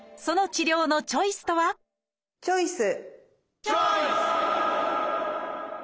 その治療のチョイスとはチョイス！